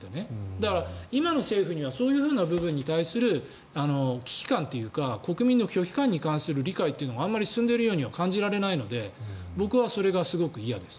だから、今の政府にはそういう部分に対する危機感というか国民の拒否感に対する理解があまり進んでいるようには感じられないのですごく嫌です。